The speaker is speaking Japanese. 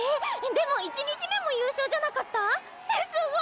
⁉でも１日目も優勝じゃなかった⁉すごっ！！